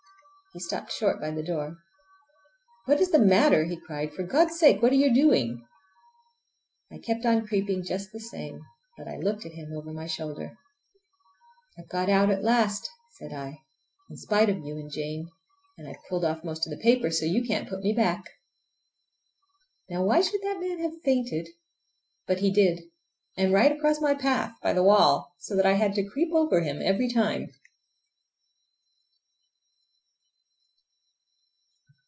He stopped short by the door. "What is the matter?" he cried. "For God's sake, what are you doing!" I kept on creeping just the same, but I looked at him over my shoulder. "I've got out at last," said I, "in spite of you and Jane! And I've pulled off most of the paper, so you can't put me back!" Now why should that man have fainted? But he did, and right across my path by the wall, so that I had to creep over him every time!